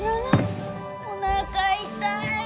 おなか痛い。